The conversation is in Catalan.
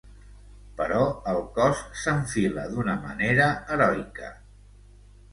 Però el cos s'enfila d'una manera heroica.